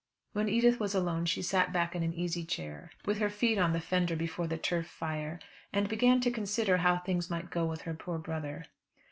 When Edith was alone she sat back in an easy chair, with her feet on the fender before the turf fire, and began to consider how things might go with her poor brother.